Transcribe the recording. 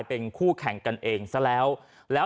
เป็นคู่แข่งกันเองแน่แล้ว